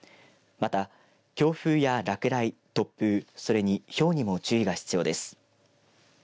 また、強風や落雷突風、それにひょうにも注意が必要です。